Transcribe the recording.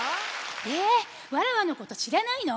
えわらわのことしらないの？